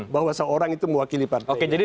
bahwa seorang itu mewakili partai